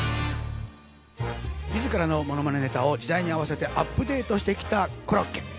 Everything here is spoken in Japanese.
自らのものまねネタを時代に合わせてアップデートしてきたコロッケ。